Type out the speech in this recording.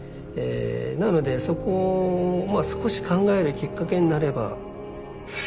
なのでそこをまあ少し考えるきっかけになれば。